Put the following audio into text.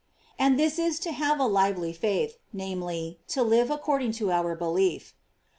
|| And this is to have a lively faith, namely, to live according to our belief.